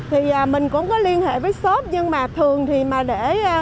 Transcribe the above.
thì mình cũng có liên hệ với shop nhưng mà thường thì mà để